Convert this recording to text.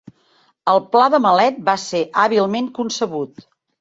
El pla de Malet va ser hàbilment concebut.